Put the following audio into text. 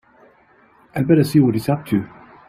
I'd better see what he's up to.